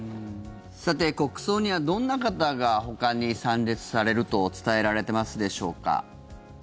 さて、国葬にはどんな方がほかに参列されると伝えられてますでしょうか。